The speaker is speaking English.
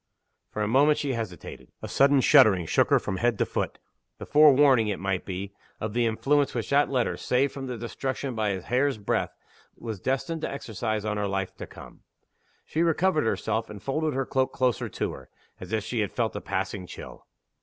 _" For a moment she hesitated. A sudden shuddering shook her from head to foot the forewarning, it might be, of the influence which that letter, saved from destruction by a hair's breadth, was destined to exercise on her life to come. She recovered herself, and folded her cloak closer to her, as if she had felt a passing chill.